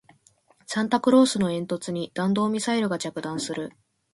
サンタクロースの煙突に弾道ミサイルが着弾する